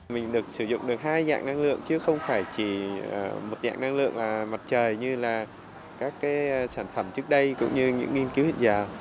mình được sử dụng được hai dạng năng lượng chứ không phải chỉ một dạng năng lượng mặt trời như là các cái sản phẩm trước đây cũng như những nghiên cứu hiện giờ